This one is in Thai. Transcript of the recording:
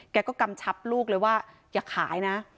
แกก็กำชับลูกเลยว่าอย่าขายนะ